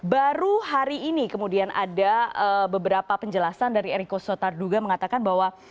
baru hari ini kemudian ada beberapa penjelasan dari eriko sotarduga mengatakan bahwa